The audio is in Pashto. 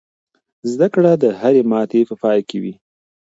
زده کړه د هرې ماتې په پای کې وي.